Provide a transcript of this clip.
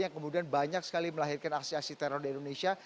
yang kemudian banyak sekali melahirkan aksi aksi teror di indonesia